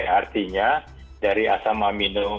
artinya dari asam amino